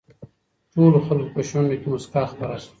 ټولو خلکو په شونډو کې مسکا خپره شوه.